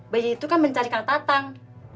bayi itu kan mencarikan tatang